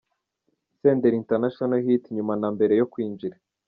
Senderi International Hit nyuma na mbere yo kwinjira.